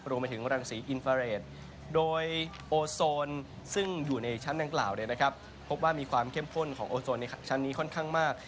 รวมไปถึงรังสีอินฟาเรทโดยโอโซนซึ่งอยู่ในชั้นดังกล่าวพบว่ามีความเข้มข้นของโอโซนในชั้นนี้ค่อนข้างมาก